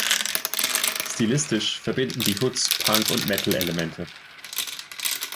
Stilistisch verbinden die Hoods Punk- und Metal-Elemente.